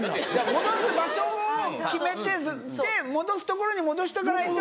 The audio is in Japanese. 戻す場所を決めて戻すところに戻しとかないと。